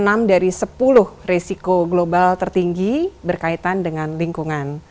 dan di mana dalam satu dekade terakhir enam dari sepuluh risiko global tertinggi berkaitan dengan global change